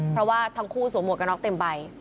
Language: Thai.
เพราะว่าทั้งคู่สวมหวกกระน็อกเต็มใบ